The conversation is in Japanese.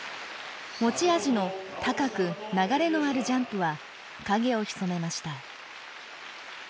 持ち味の高く流れのあるジャンプは影を潜めました。